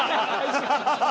ハハハハ！